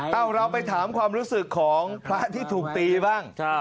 เราไปถามความรู้สึกของพระที่ถูกตีบ้าง